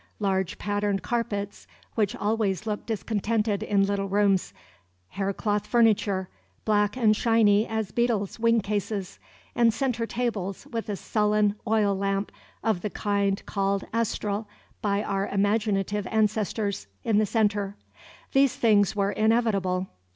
Large patterned carpets, which always look discontented in little rooms, haircloth furniture, black and shiny as beetles' wing cases, and centre tables, with a sullen oil lamp of the kind called astral by our imaginative ancestors, in the centre, these things were inevitable.